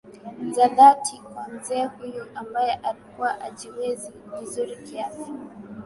za dhati kwa mzee huyu ambae alikuwa ajiwezi vinzuri kiafya